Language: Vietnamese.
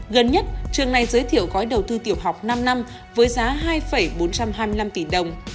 gần nhất trường này giới thiệu gói đầu tư tiểu học năm năm với giá hai bốn trăm hai mươi năm tỷ đồng